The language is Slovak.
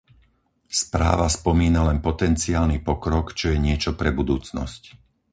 Správa spomína len potenciálny pokrok, čo je niečo pre budúcnosť.